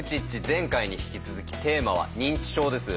前回に引き続きテーマは「認知症」です。